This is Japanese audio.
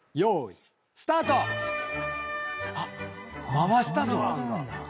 回したぞ。